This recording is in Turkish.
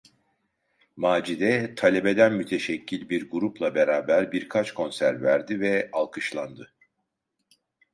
Macide, talebeden müteşekkil bir grupla beraber birkaç konser verdi ve alkışlandı.